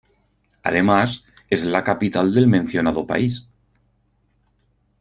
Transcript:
Además, es la capital del mencionado país.